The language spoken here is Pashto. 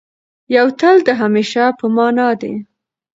یو تل د همېشه په مانا دی.